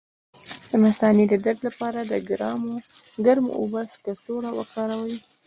د مثانې د درد لپاره د ګرمو اوبو کڅوړه وکاروئ